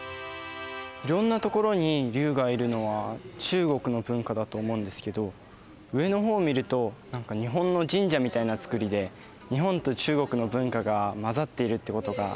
いろんなところに龍がいるのは中国の文化だと思うんですけど上の方を見ると何か日本の神社みたいな造りで日本と中国の文化が混ざっているってことがよく分かります。